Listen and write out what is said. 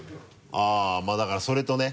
あぁまぁだからそれとね。